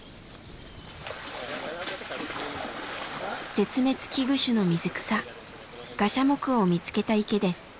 絶滅危惧種の水草ガシャモクを見つけた池です。